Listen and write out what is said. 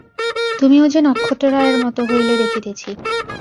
তুমিও যে নক্ষত্ররায়ের মতো হইলে দেখিতেছি।